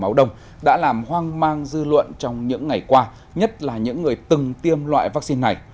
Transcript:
máu đông đã làm hoang mang dư luận trong những ngày qua nhất là những người từng tiêm loại vaccine này